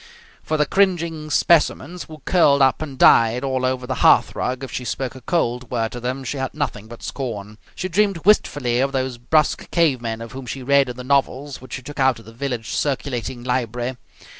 For the cringing specimens who curled up and died all over the hearthrug if she spoke a cold word to them she had nothing but scorn. She dreamed wistfully of those brusque cavemen of whom she read in the novels which she took out of the village circulating library.